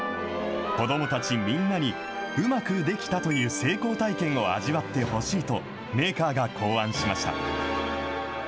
子どもたちみんなに、うまくできたという成功体験を味わってほしいと、メーカーが考案しました。